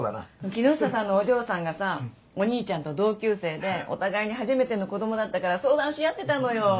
木下さんのお嬢さんがさお兄ちゃんと同級生でお互いに初めての子供だったから相談し合ってたのよ。